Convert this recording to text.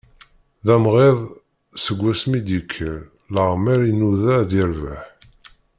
D amɣid seg wasmi i d-ikker, leɛmer i inuda ad yerbeḥ.